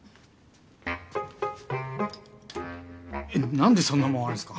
なんでそんなもんあるんですか？